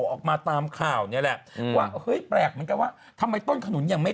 ออกมาตามข่าวเนี่ยแหละว่าเฮ้ยแปลกเหมือนกันว่าทำไมต้นขนุนยังไม่